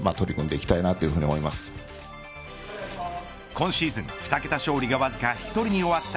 今シーズン２桁勝利がわずか１人に終わった